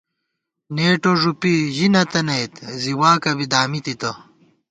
نېٹو ݫُپی ژی نَہ تَنَئیت ، زی واکہ بی دامی تِتہ